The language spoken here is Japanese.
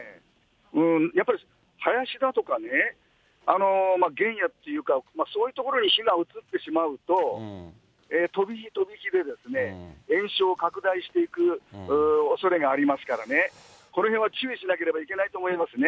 やっぱり林だとかね、原野っていうか、そういう所に火が移ってしまうと、飛び火、飛び火でですね、延焼拡大していくおそれがありますからね、このへんは注意しなければいけないと思いますね。